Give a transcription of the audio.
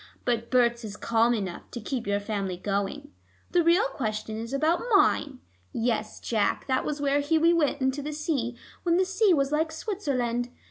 But Berts is calm enough to keep your family going. The real question is about mine. Yes, Jack, that was where Hughie went into the sea, when the sea was like Switzerland.